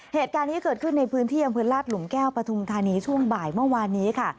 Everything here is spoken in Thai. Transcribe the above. เหตุการณ์นี้เกิดขึ้นในพื้นที่อำเภอลาดหลุมแก้วปฐุมธานีช่วงบ่ายเมื่อวานนี้ค่ะ